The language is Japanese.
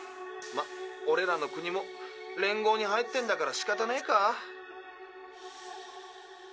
まあオレらの国も連合に入ってんだからしかたねえか。